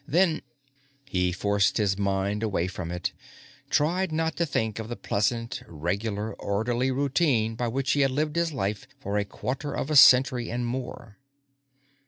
Then He forced his mind away from it, tried not to think of the pleasant, regular orderly routine by which he had lived his life for a quarter of a century and more.